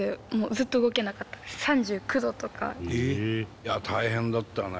いや大変だったね。